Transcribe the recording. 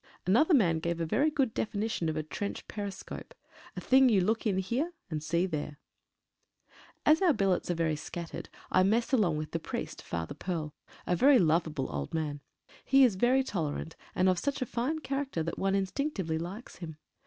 Another man gave a very good definition of a trench periscope — "A thing you look in here, and see there." 30 THE CONNAUGHT RANGERS. As our billets are very scattered, I mess along with the priest — Father Perle — a very lovable old man. He is very tolerant, and of such a fine character that one instinctively likes him.